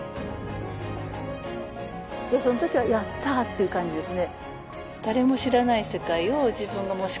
その時は「やったー！」っていう感じですね。